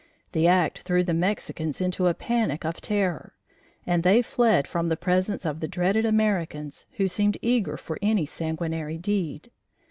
The act threw the Mexicans into a panic of terror, and they fled from the presence of the dreaded Americans who seemed eager for any sanguinary deed.